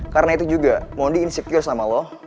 karena itu juga mondi insecure sama lo